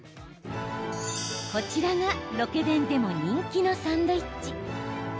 こちらがロケ弁でも人気のサンドイッチ。